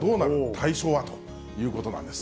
対象は？ということなんです。